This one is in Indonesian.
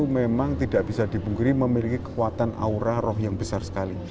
memang tidak bisa dipungkiri memiliki kekuatan aura roh yang besar sekali